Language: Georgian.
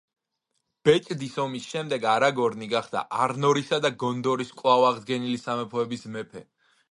ბეჭდის ომის შემდეგ არაგორნი გახდა არნორისა და გონდორის კვლავ აღდგენილი სამეფოების მეფე.